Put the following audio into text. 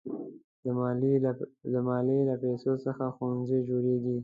د مالیې له پیسو څخه ښوونځي جوړېږي.